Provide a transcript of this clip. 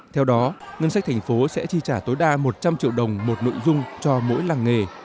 theo đó ngân sách thành phố sẽ chi trả tối đa một trăm linh triệu đồng một nội dung cho mỗi làng nghề